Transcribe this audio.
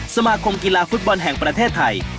สมาคมกีฬาฟุตบอลแห่งประเทศไทย